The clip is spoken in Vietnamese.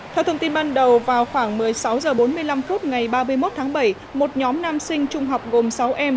theo thông tin ban đầu vào khoảng một mươi sáu h bốn mươi năm phút ngày ba mươi một tháng bảy một nhóm nam sinh trung học gồm sáu em